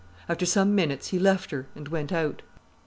After some minutes he left her and went out.